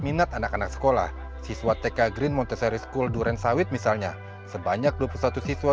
minat anak anak sekolah siswa tk green montesary school duren sawit misalnya sebanyak dua puluh satu siswa